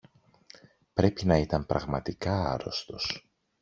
Πρέπει να ήταν πραγματικά άρρωστος